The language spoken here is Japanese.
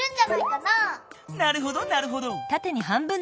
なるほどなるほど。